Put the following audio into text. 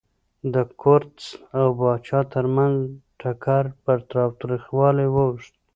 د کورتس او پاچا ترمنځ ټکر پر تاوتریخوالي واوښت.